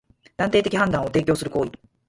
断定的判断を提供する行為